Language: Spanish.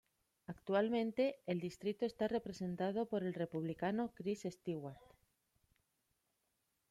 Actualmente el distrito está representado por el Republicano Chris Stewart.